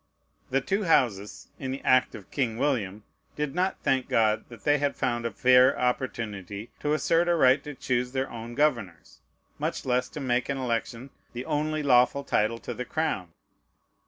The two Houses, in the act of King William, did not thank God that they had found a fair opportunity to assert a right to choose their own governors, much less to make an election the only lawful title to the crown.